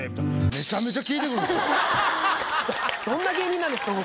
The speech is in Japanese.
どんな芸人なんですか僕。